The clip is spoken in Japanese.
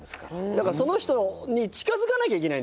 だからその人に近づかなきゃいけないんだよね。